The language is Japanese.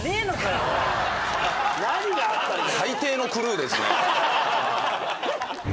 何があったんだよ。